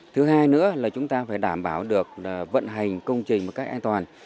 thứ hai nữa là chúng ta phải đảm bảo được vận hành công trình một cách an toàn